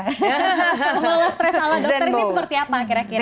kalau stres ala dokter ini seperti apa kira kira